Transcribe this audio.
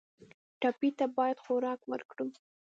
ټپي ته باید خوراک ورکړو.